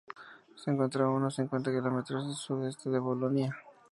Se encuentra a unos cincuenta kilómetros al sudeste de Bolonia.